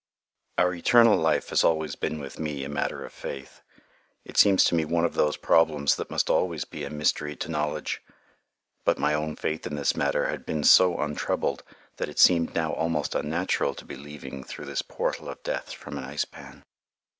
Our eternal life has always been with me a matter of faith. It seems to me one of those problems that must always be a mystery to knowledge. But my own faith in this matter had been so untroubled that it seemed now almost natural to be leaving through this portal of death from an ice pan.